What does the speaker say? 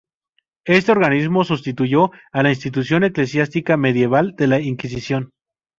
Este organismo sustituyó a la institución eclesiástica medieval de la Inquisición.